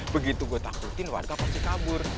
begitu gue takutin warga pasti kabur